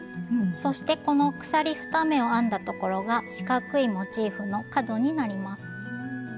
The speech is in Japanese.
そしてこの鎖２目を編んだところが四角いモチーフの角になります。